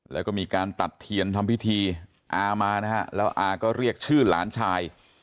แล้วก็มีการตัดเทียนทำพิธีอามานะฮะแล้วอาก็เรียกชื่อหลานชาย